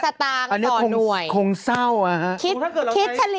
๙๓๔๓สตางค์ต่อหน่วยคงเศร้าค่ะ